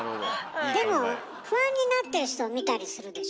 でも不安になってる人を見たりするでしょ？